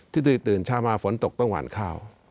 ตื่นเช้ามาฝนตกต้องหวานข้าว